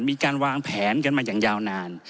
มีการวางแผนกันมาอย่างยาวนาน